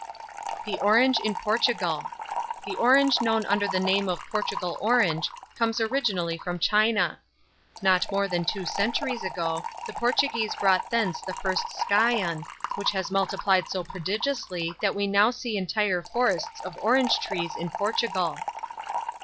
THE ORANGE IN PORTUGAL. The Orange known under the name of "Portugal Orange" comes originally from China. Not more than two centuries ago, the Portuguese brought thence the first scion, which has multiplied so prodigiously that we now see entire forests of orange trees in Portugal.